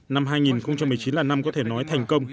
năm hai nghìn một mươi chín là năm có thể nói thành công